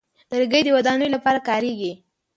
لرګی د ودانیو لپاره کارېږي.